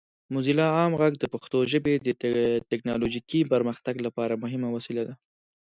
موزیلا عام غږ د پښتو ژبې د ټیکنالوجیکي پرمختګ لپاره مهمه وسیله ده.